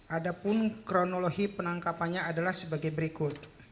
adapun kronologi penangkapannya adalah sebagai berikut